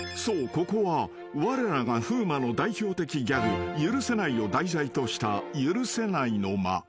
ここはわれらが風磨の代表的ギャグ「許せない！」を題材とした許せない！の間］